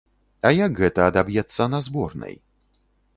А як гэта адаб'ецца на зборнай?